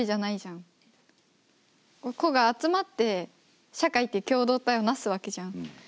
個が集まって社会っていう共同体を成すわけじゃん。